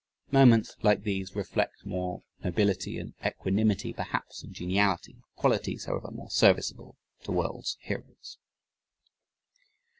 Moments like these reflect more nobility and equanimity perhaps than geniality qualities, however, more serviceable to world's heroes.